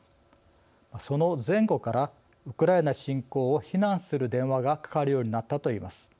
その前後からウクライナ侵攻を非難する電話がかかるようになったといいます。